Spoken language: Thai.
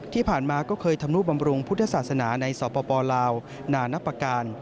ที่ผ่านมาก็เคยทำนุบำรุงพุทธศาสนาในสปลาวนานับประการ